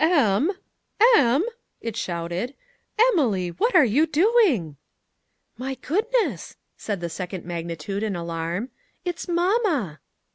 "M," it shouted, "Emily, what are you doing?" "My goodness," said the second magnitude in alarm, "it's MAMA."